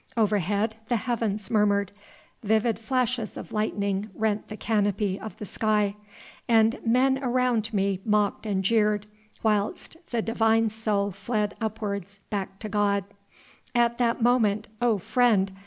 Overhead the heavens murmured, vivid flashes of lightning rent the canopy of the sky, and men around me mocked and jeered, whilst the Divine Soul fled upwards back to God. At that moment, O friend!